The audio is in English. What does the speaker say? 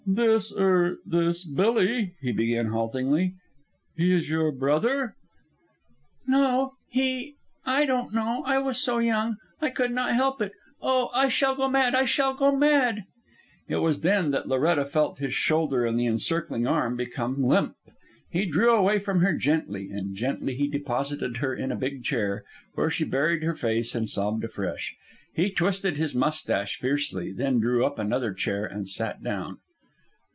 "This er this Billy," he began haltingly. "He is your brother?" "No... he... I didn't know. I was so young. I could not help it. Oh, I shall go mad! I shall go mad!" It was then that Loretta felt his shoulder and the encircling arm become limp. He drew away from her gently, and gently he deposited her in a big chair, where she buried her face and sobbed afresh. He twisted his moustache fiercely, then drew up another chair and sat down.